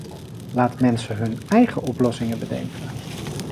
Laat mensen hun eigen oplossingen bedenken.